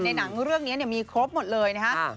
หนังเรื่องนี้มีครบหมดเลยนะครับ